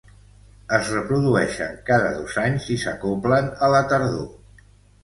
Es reprodueixen cada dos anys i s'acoblen a la tardor.